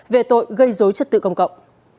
về tội gây dối chất tự công cộng